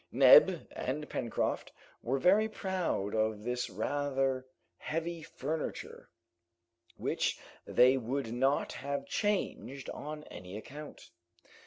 Neb and Pencroft were very proud of this rather heavy furniture, which they would not have changed on any account.